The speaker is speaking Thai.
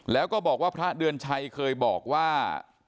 แล้วก็บอกว่าพระเดือนชัยเคยบอกว่า